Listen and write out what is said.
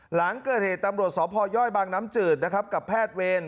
หลังเกิดเหตุตำรวจสพยบางน้ำจืดนะครับกับแพทย์เวร